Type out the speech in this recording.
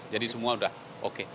jadi semua sudah oke